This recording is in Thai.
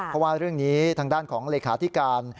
เพราะว่าเรื่องนี้ทางด้านของเลขาธิการ